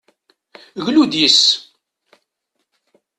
Glu-d yis-s!